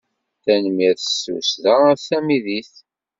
Tanemmirt s tussda a tamidit.